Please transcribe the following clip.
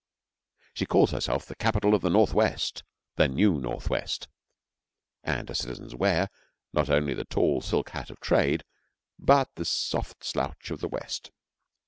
She calls herself the capital of the North West, the new North West, and her citizens wear, not only the tall silk hat of trade, but the soft slouch of the West.